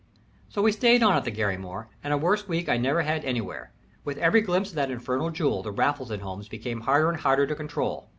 So we stayed on at the Garrymore, and a worse week I never had anywhere. With every glimpse of that infernal jewel the Raffles in Holmes became harder and harder to control.